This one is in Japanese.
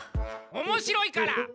おもしろいから！